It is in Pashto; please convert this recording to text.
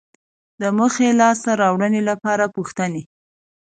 د موخې لاسته راوړنې لپاره پوښتنې